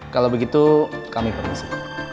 kalau begitu kami permisi